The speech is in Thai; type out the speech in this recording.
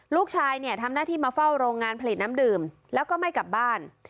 ลูกชายเนี่ยทำหน้าที่มาเฝ้าโรงงานผลิตน้ำดื่มแล้วก็ไม่กลับบ้าน